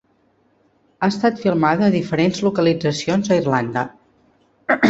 Ha estat filmada a diferents localitzacions a Irlanda.